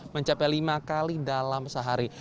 mencapai lima kali dalam sehari